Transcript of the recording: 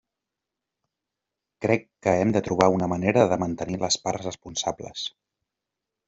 Crec que hem de trobar una manera de mantenir les parts responsables.